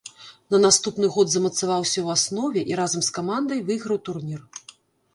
На наступны год замацаваўся ў аснове і разам з камандай выйграў турнір.